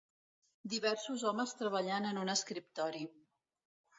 Diversos homes treballant en un escriptori.